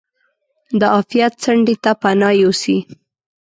د عافیت څنډې ته پناه یوسي.